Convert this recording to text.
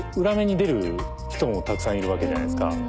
裏目に出る人もたくさんいるわけじゃないですか。